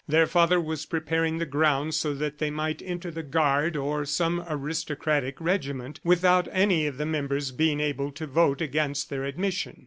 Their father was preparing the ground so that they might enter the Guard or some aristocratic regiment without any of the members being able to vote against their admission.